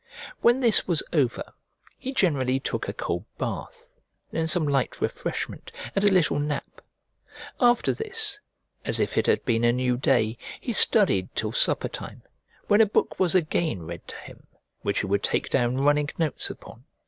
When this was over, he generally took a cold bath, then some light refreshment and a little nap. After this, as if it had been a new day, he studied till supper time, when a book was again read to him, which he would take down running notes upon.